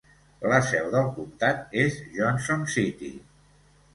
La seu del comtat és Johnson City.